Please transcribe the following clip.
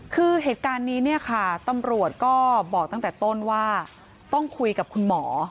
คือเหตุการณ์นี้เนี่ยค่ะตำรวจก็บอกตั้งแต่ต้นว่าต้องคุยกับคุณหมอ